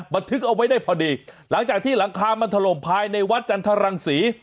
บันทึกเอาไว้ได้พอดีหลังจากที่หลังคามันถล่มภายในวัดจันทรังศรี